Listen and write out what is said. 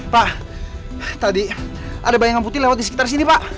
pak tadi ada bayangan putih lewat di sekitar sini pak